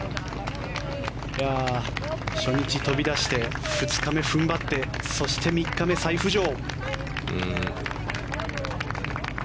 初日飛び出して２日目踏ん張ってそして３日目、再浮上。